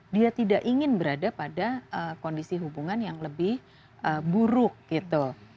dia tidak ingin berada pada kondisi hubungan yang lebih buruk gitu